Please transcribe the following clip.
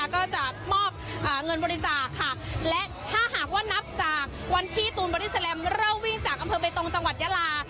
ก็จะมอบเงินบริจาคค่ะและถ้าหากว่านับจากวันที่ตูนบอดี้แลมเริ่มวิ่งจากอำเภอเบตงจังหวัดยาลา